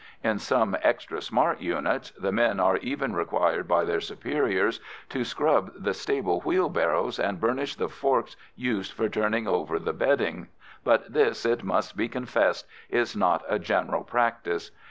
In some extra smart units the men are even required by their superiors to scrub the stable wheelbarrows and burnish the forks used for turning over the bedding, but this, it must be confessed, is not a general practice.